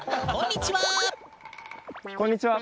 こんにちは！